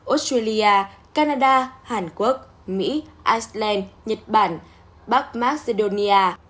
australia canada hàn quốc mỹ iceland nhật bản bắc macedonia